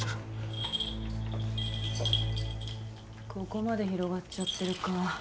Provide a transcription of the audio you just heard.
ここまで広がっちゃってるか。